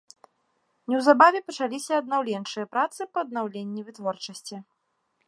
Неўзабаве пачаліся аднаўленчыя працы па аднаўленні вытворчасці.